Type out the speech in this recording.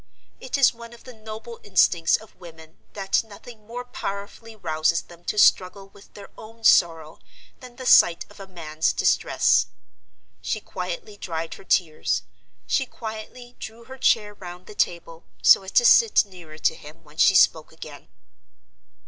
It is one of the noble instincts of women that nothing more powerfully rouses them to struggle with their own sorrow than the sight of a man's distress. She quietly dried her tears; she quietly drew her chair round the table, so as to sit nearer to him when she spoke again.